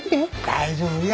大丈夫や。